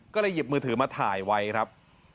ก็เลยหยิบมือถือมาถ่ายไว้ครับ